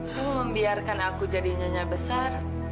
kamu membiarkan aku jadi nyanya besar